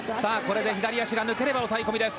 左足が抜ければ抑え込みです。